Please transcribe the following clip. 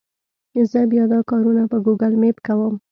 زه بیا دا کارونه په ګوګل مېپ کوم.